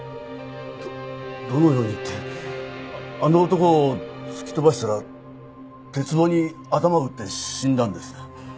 どどのようにってあの男を突き飛ばしたら鉄棒に頭を打って死んだんです。